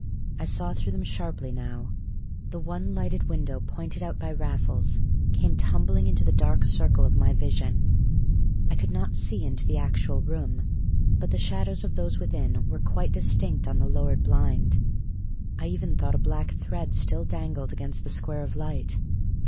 I saw through them sharply now. The one lighted window pointed out by Raffles came tumbling into the dark circle of my vision. I could not see into the actual room, but the shadows of those within were quite distinct on the lowered blind. I even thought a black thread still dangled against the square of light.